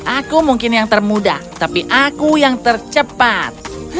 aku mungkin yang termuda tapi aku yang tercepat